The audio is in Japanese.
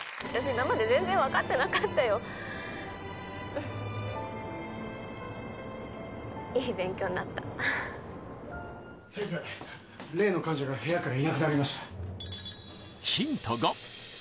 今まで全然わかってなかったよいい勉強になった先生例の患者が部屋からいなくなりました